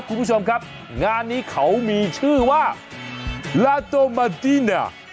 คุณผู้ชมครับงานนี้เขามีชื่อว่าลาโจมาจิเนี่ย